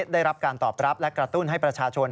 ได้รับการตอบรับและกระตุ้นให้ประชาชน